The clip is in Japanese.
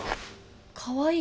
「かわいい」